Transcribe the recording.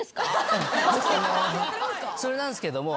それなんですけども。